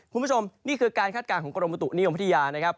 คุณผู้ชมนี่คือการคาดการณ์ของกรมบุตุนิยมพัทยานะครับ